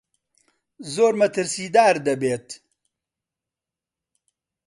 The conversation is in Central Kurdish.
زۆر مەترسیدار دەبێت.